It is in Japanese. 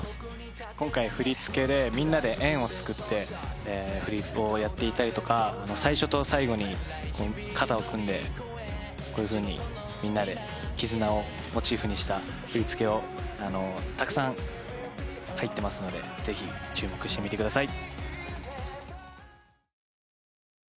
今回振り付けでみんなで円をつくって振りをやっていたりとか最初と最後に肩を組んでこういうふうにみんなで絆をモチーフにした振り付けをたくさん入ってますのでぜひ注目してみてください。